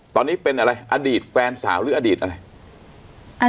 ตอนนี้เป็นอะไรอดีตแฟนสาวหรืออดีตอะไร